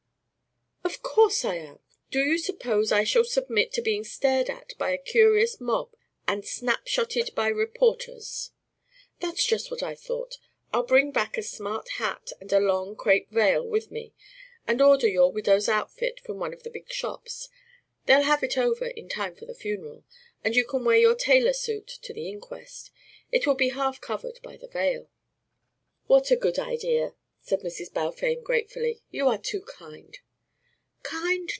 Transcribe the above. "Of course I am. Do you suppose I shall submit to being stared at by a curious mob and snapshotted by reporters?" "That's just what I thought. I'll bring back a smart hat and a long crêpe veil with me, and order your widow's outfit from one of the big shops; they'll have it over in time for the funeral. And you can wear your tailor suit to the inquest; it will be half covered by the veil." "What a good idea!" said Mrs. Balfame gratefully. "You are too kind." "Kind?